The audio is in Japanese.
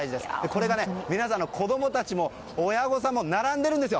これが皆さん子供たちも親御さんも並んでいるんです。